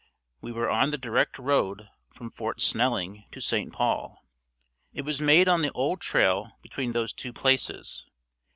We were on the direct road from Fort Snelling to St. Paul. It was made on the old trail between those two places.